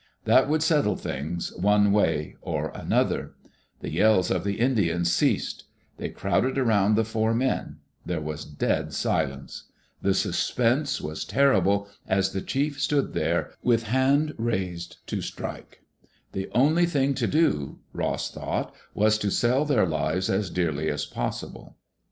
That would settle things, one way or another. The yells of the Indians ceased. They crowded around the Digitized by CjOOQ IC ADVENTURES IN THE YAKIMA VALLEY four men. There was dead silence. The suspense was terrible as the chief stood there, with hand upraised to strike. The only thing to do, Ross thought, was to sell their lives as dearly as possible.